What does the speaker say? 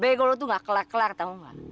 bego lu tuh gak kelar kelar tau gak